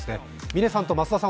嶺さんと増田さん